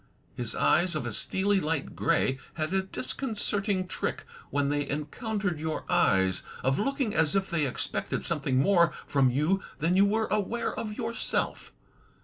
His eyes, of a steely light gray, had a disconcerting trick, when they encountered your eyes, of looking as if they expected something more from you than you were aware of yourself.